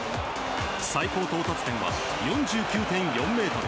最高到達点は４９．４ｍ。